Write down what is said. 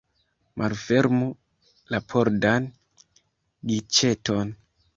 Malfermu la pordan giĉeton.